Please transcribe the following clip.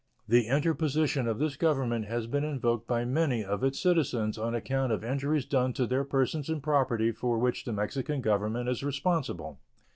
The interposition of this Government has been invoked by many of its citizens on account of injuries done to their persons and property for which the Mexican Republic is responsible.